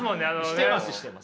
してますしてます！